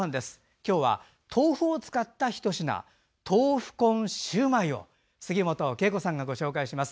今日は豆腐をつかったひと品豆腐コーンシューマイを杉本恵子さんがご紹介します。